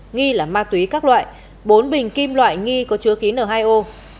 nghi là ma túy các loại bốn bình kim loại nghi có chứa khí n hai o